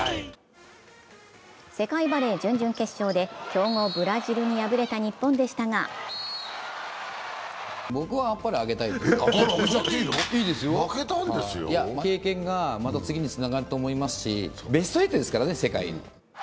世界バレー準々決勝で強豪ブラジルに敗れた日本でしたが経験がまた次につながると思いますし、ベスト８ですからね、世界の。